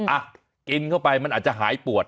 อ่ะกินเข้าไปมันอาจจะหายปวด